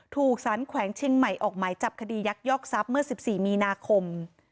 ถูกสารแขวงเชียงใหม่ออกหมายจับคดียักยอกทรัพย์เมื่อ๑๔มีนาคม